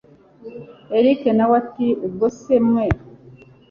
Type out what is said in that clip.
erick nawe ati ubwo se mwe